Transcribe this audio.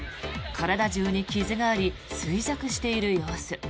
体中に傷があり衰弱している様子。